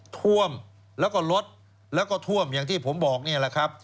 ท่วมแล้วก็รดท่วมอย่างที่นะครับ